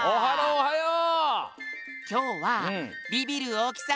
おはよう！